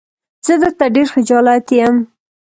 زه درته ډېر خجالت يم.